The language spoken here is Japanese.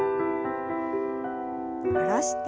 下ろして。